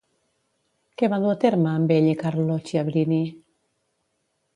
Què va dur a terme amb ell i Carlo Ciabrini?